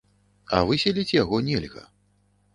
А выселіць яго нельга.